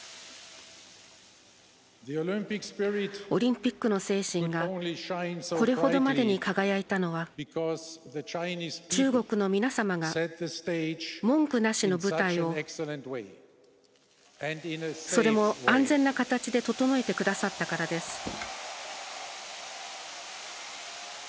オリンピックの精神がこれほどまでに輝いたのは中国の皆様が文句なしの舞台をそれも安全な形で整えてくださったからです。